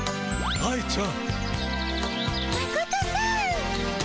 愛ちゃん！